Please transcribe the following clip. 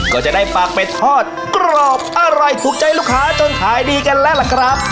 ก็จะได้ปากเป็ดทอดกรอบอร่อยถูกใจลูกค้าจนขายดีกันแล้วล่ะครับ